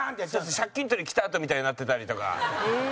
借金取り来たあとみたいになってたりとか。